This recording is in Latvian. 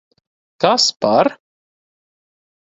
Kas par...